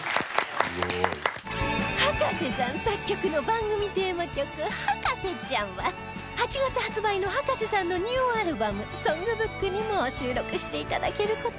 葉加瀬さん作曲の番組テーマ曲『博士ちゃん』は８月発売の葉加瀬さんのニューアルバム『ＳＯＮＧＢＯＯＫ』にも収録して頂ける事に